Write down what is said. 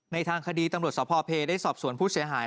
ทางคดีตำรวจสพเพได้สอบสวนผู้เสียหาย